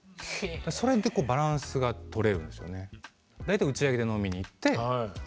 それで結構バランスが取れるんですよね。